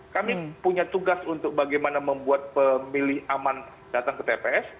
kami punya tugas untuk bagaimana membuat pemilih aman datang ke tps